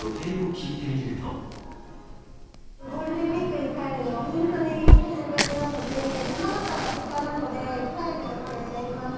ゴールデンウィークに帰るのは、本当に久しぶりなので、山形が実家なので、帰る予定でいます。